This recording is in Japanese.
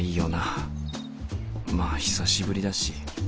まあ久しぶりだし。